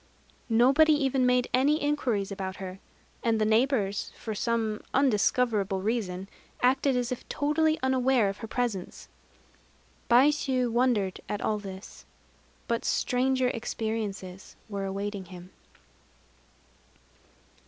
Nobody even made any inquiries about her. And the neighbors, for some undiscoverable reason, acted as if totally unaware of her presence. Baishû wondered at all this. But stranger experiences were awaiting him.